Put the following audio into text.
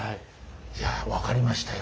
いや分かりましたよ。